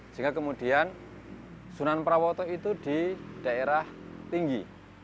sehingga kemudian sunan prawoto itu di daerah tinggi